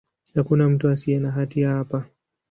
Hakuna mtu asiye na hatia hapa.